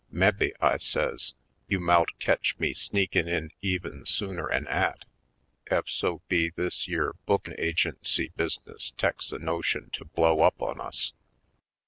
Mebbe," I says, ''you mout ketch me sneakin' in even sooner 'en 'at, ef so be this yere bookin' agency bus'ness teks a notion to blow up on us."